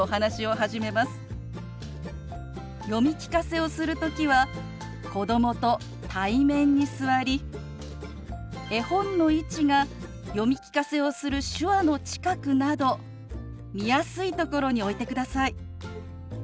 読み聞かせをする時は子どもと対面に座り絵本の位置が読み聞かせをする手話の近くなど見やすいところに置いてください。